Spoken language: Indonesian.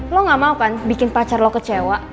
lo gak mau kan bikin pacar lo kecewa